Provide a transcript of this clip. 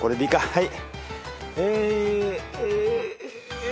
はい。